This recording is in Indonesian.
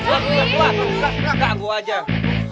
enggak gue ajak